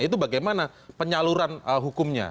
itu bagaimana penyaluran hukumnya